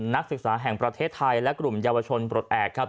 นักศึกษาแห่งประเทศไทยและกลุ่มเยาวชนปลดแอบครับ